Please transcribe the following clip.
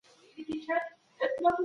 ځان په بشپړ ډول پیژندل یو ناممکن کار دی.